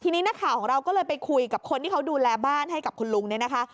ทีนี้นักข่าวของเราก็เลยไปคุยกับคนที่เขาดูแลบ้านให้กับคุณลุงเนี่ยนะคะ